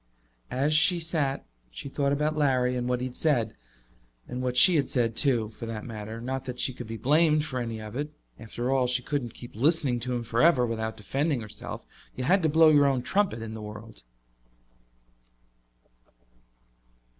As she sat she thought about Larry and what he had said. And what she had said, too, for that matter not that she could be blamed for any of it. After all, she couldn't keep listening to him forever without defending herself; you had to blow your own trumpet in the world.